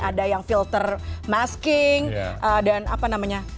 ada yang filter masking dan apa namanya